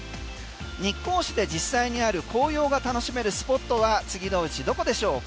日光市で実際にある紅葉が楽しめるスポットは次のうちどこでしょうか？